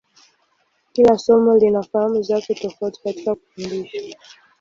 Kila somo lina fahamu zake tofauti katika kufundisha.